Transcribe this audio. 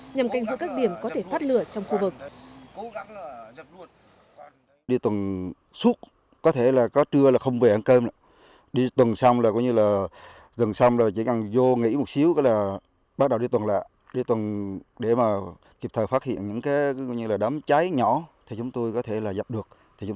nhằm canh giữ các điểm có thể phát lửa trong khu vực